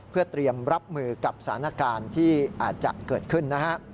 เพื่อเตรียมรับมือกับสถานการณ์ที่อาจจะเกิดขึ้นนะฮะ